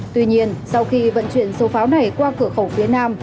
tuy nhiên sau khi vận chuyển số pháo này qua cửa khẩu phía nam